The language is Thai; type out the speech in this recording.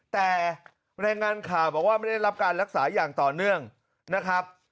แต่รายงานข่าวบอกว่าไม่ได้รับการรักษาอย่างต่อเนื่องนะครับ